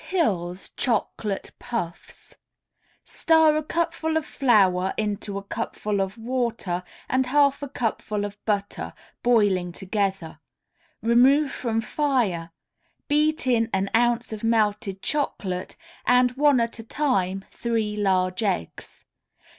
HILL'S CHOCOLATE PUFFS Stir a cupful of flour into a cupful of water and half a cupful of butter, boiling together; remove from fire, beat in an ounce of melted chocolate, and, one at a time, three large eggs.